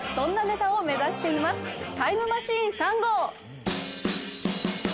タイムマシーン３号。